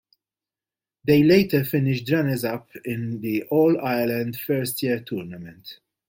They later finished runners up in the All Ireland First Year tournament.